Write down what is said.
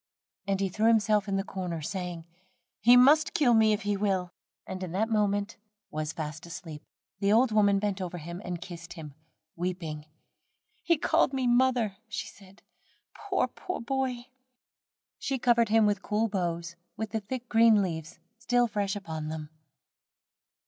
And he threw himself in the corner, saying: "he must kill me if he will," and in a moment was fast asleep. The old woman bent over and kissed him, weeping. "He called me mother," she said, "poor boy, poor boy." She covered him over with cool boughs, with the thick green leaves still fresh upon them.